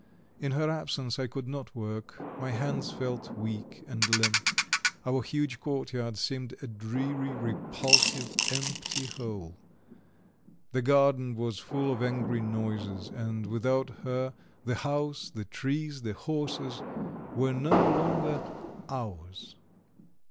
In her absence I could not work, my hands felt weak and limp; our huge courtyard seemed a dreary, repulsive, empty hole. The garden was full of angry noises, and without her the house, the trees, the horses were no longer "ours."